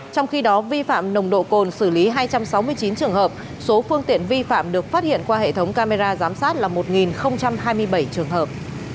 trong khi đó vi phạm nồng độ cồn xử lý hai trăm sáu mươi chín trường hợp số phương tiện vi phạm được phát hiện qua hệ thống camera giám sát là một hai mươi bảy trường hợp